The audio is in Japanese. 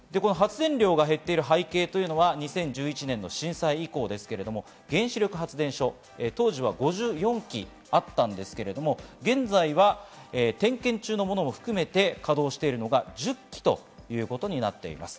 発電量が減っている背景というのは２０１１年の震災以降ですけれども、原子力発電所、当時は５４基あったんですけれど、現在は点検中のものも含めて稼働しているのが１０基ということになっています。